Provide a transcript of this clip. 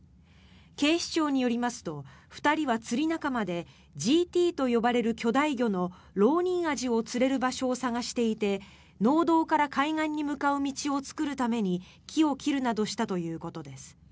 警視庁によりますと２人は釣り仲間でＧＴと呼ばれる巨大魚のロウニンアジを釣れる場所を探していて農道から海岸に向かう道を作るために木を切るなどしたということです。